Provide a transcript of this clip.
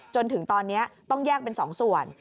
จนถึงตอนนี้ต้องแยกเป็น๒ส่วน